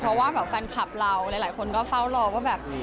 เพราะว่าแบบแฟนคลับเราหลายคนก็เฝ้ารอว่าแบบ